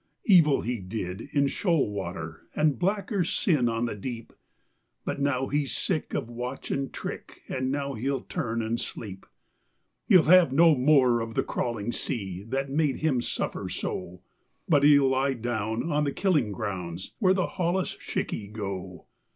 Evil he did in shoal water and blacker sin on the deep, But now he's sick of watch and trick, and now he'll turn and sleep. He'll have no more of the crawling sea that made him suffer so, But he'll lie down on the killing grounds where the holluschickie go.